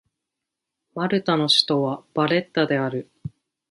マルタの首都はバレッタである